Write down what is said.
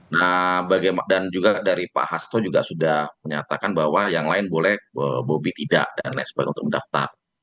nah dan juga dari pak hasto juga sudah menyatakan bahwa yang lain boleh bobi tidak dan lain sebagainya untuk mendaftar